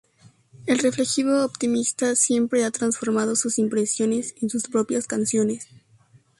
El reflexivo optimista siempre ha transformado sus impresiones en sus propias canciones.